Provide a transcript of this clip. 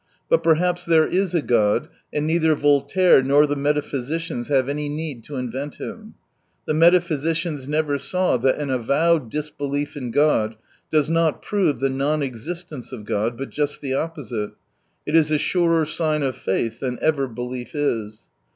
But perhaps there is a God, and neither Voltaire nor the metaphysicians have any need to invent Him. The metaphysicians never saw that an avowed disbelief in God does not prove the non existence of God, but just the opposite ; it is a surer sign of faith than ever belief is.